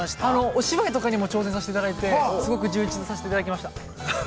◆お芝居とかに挑戦させていただいて、すごく充実させていただきました。